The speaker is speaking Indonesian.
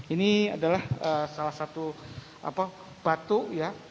ini adalah salah satu batu ya